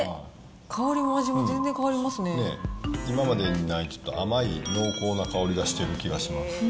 香りも味も全然変わり今までにない、ちょっと甘い濃厚な香りがしてる気がします。